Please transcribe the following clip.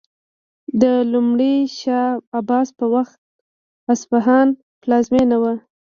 د لومړي شاه عباس په وخت اصفهان پلازمینه و.